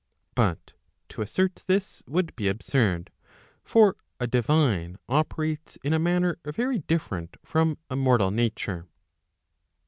But to assert this would be absurd ; for a divine operates in a manner very different from a mortal nature.